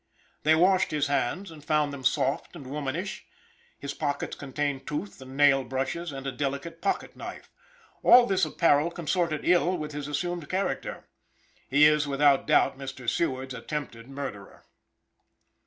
They washed his hands, and found them soft and womanish; his pockets contained tooth and nail brushes and a delicate pocket knife. All this apparel consorted ill with his assumed character. He is, without doubt, Mr. Seward's attempted murderer.